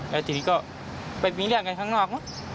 แล้วทีนี้ก็ไปมีเรื่องกันข้างนอกมั้ง